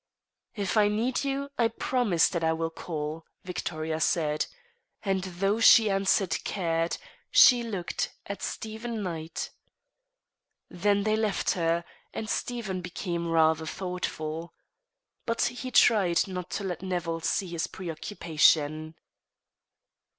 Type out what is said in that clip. "If I need you, I promise that I will call," Victoria said. And though she answered Caird, she looked at Stephen Knight. Then they left her; and Stephen became rather thoughtful. But he tried not to let Nevill see his preoccupation.